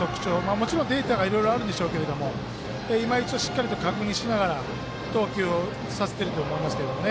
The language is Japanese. もちろん、データがいろいろあるんでしょうけどいま一度しっかりと確認しながら投球をさせてると思いますけどね。